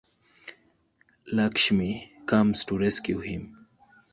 Lakshmi comes to rescue him.